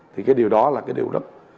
thì cái điều đó là cái điều rất